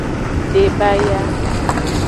Debaya.